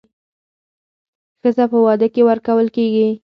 ښځه په واده کې ورکول کېږي